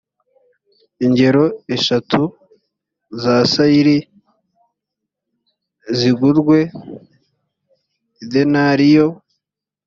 ingero eshatu za sayiri zigurwe idenariyo